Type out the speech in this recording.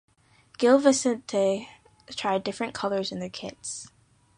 Gil Vicente tried different colours in their kits.